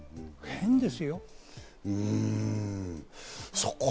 変ですよ。